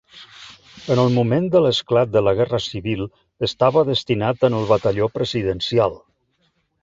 En el moment de l'esclat de la Guerra civil estava destinat en el Batalló presidencial.